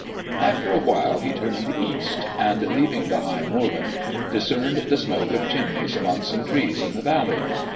After a while he turned east, and, leaving the high moorland, discerned the smoke of chimneys among some trees in the valley.